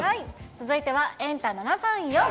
続いてはエンタ７３４。